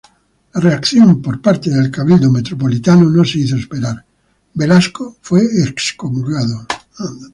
La reacción por parte del cabildo metropolitano no se hizo esperar, Velasco fue excomulgado.